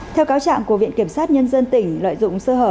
theo cáo trạng của viện kiểm sát nhân dân tỉnh lợi dụng sơ hở